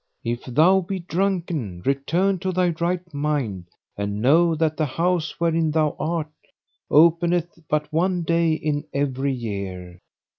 If thou be drunken return to thy right mind, and know that the house wherein thou art openeth but one day in every year.